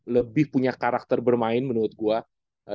lebih punya karakter bermain menurut gue